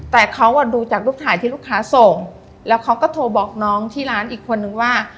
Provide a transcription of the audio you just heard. แต่เขาอ่ะดูจากรูปถ่ายที่ลูกค้าส่งแล้วเขาก็โทรบอกน้องที่ร้านอีกคนนึงว่า